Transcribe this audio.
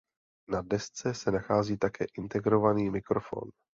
Na desce se nachází také integrovaný mikrofon.